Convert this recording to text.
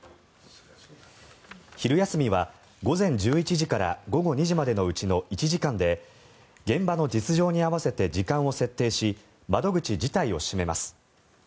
昼休みは午前１１時から午後２時までのうちの１時間で現場の実情に合わせて時間を設定し窓口自体を閉めます。